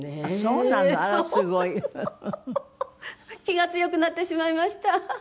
気が強くなってしまいました。